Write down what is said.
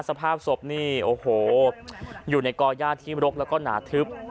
สภาพศพนี่โอ้โหอยู่ในก่อย่าที่รกแล้วก็หนาทึบ